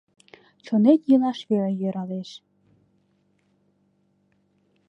Чонет йӱлаш веле йӧралеш